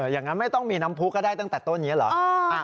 อย่างนั้นไม่ต้องมีน้ำพู้ก็ได้ตั้งแต่ต้นนี้หรือ